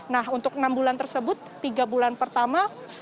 nah untuk enam bulan tersebut tiga bulan pertama